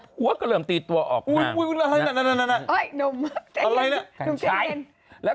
หัวก็เริ่มตีตัวออก